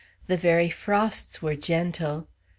The very frosts were gentle.